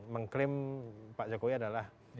mengklaim pak jokowi adalah